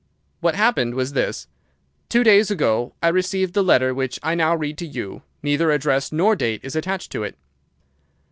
"What happened was this. Two days ago I received the letter which I now read to you. Neither address nor date is attached to it.